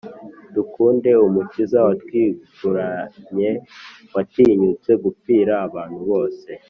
Dukunde umukiza watwiguranye watinyutse gupfira abantu bose